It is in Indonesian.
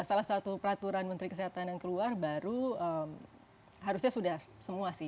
salah satu peraturan menteri kesehatan yang keluar baru harusnya sudah semua sih